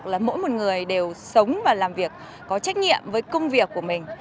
là mỗi một người đều sống và làm việc có trách nhiệm với công việc của mình